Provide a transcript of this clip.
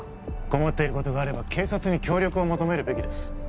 困っていることがあれば警察に協力を求めるべきです